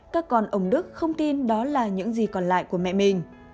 các con ông đức không tin đó là những gì còn lại của mẹ mình